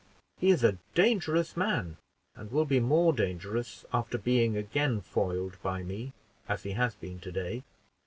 He is a dangerous man, and will be more dangerous after being again foiled by me as he has been to day.